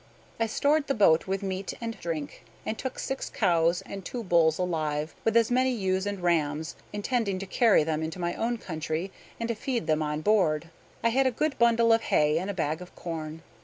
I stored the boat with meat and drink, and took six cows and two bulls alive, with as many ewes and rams, intending to carry them into my own country; and to feed them on board, I had a good bundle of hay and a bag of corn.